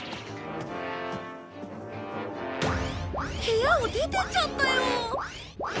部屋を出てっちゃったよ。